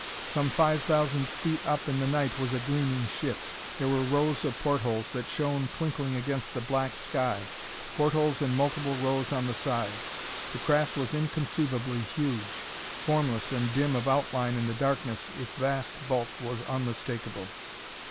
Some five thousand feet up in the night was a gleaming ship. There were rows of portholes that shone twinkling against the black sky portholes in multiple rows on the side. The craft was inconceivably huge. Formless and dim of outline in the darkness, its vast bulk was unmistakable.